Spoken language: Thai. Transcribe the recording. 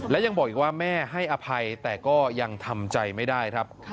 และยังบอกอีกว่าแม่ให้อภัยแต่ก็ยังทำใจไม่ได้ครับ